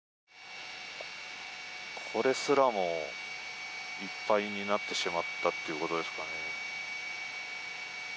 これすらもいっぱいになってしまったってことですかね。